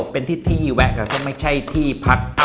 เป็นที่ที่แวะก็ไม่ใช่ที่พัก